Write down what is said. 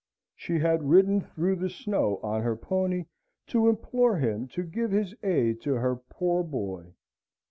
She had ridden through the snow on her pony, to implore him to give his aid to her poor boy.